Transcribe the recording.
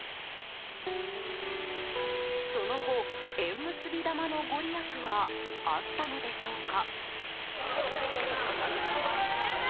その後、縁結び玉のご利益はあったのでしょうか。